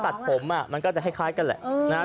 ถ้าตัดผมมันก็จะคล้ายกันแหละ